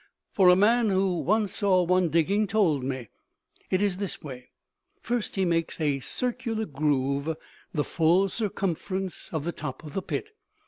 "For a man who once saw one digging told me. It is this way: First he makes a circular groove the full circumference of the top of the pit.